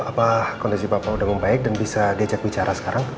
apa kondisi bapak sudah membaik dan bisa diajak bicara sekarang